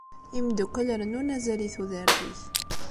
Imeddukkal rennun azal i tudert -ik.